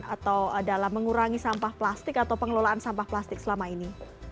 atau dalam mengurangi sampah plastik atau pengelolaan sampah plastik selama ini